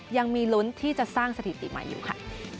ยังมีลุ้นที่จะสร้างสถิติใหม่อยู่ค่ะ